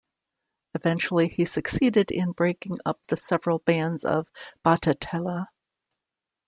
Eventually he succeeded in breaking up the several bands of Batetela.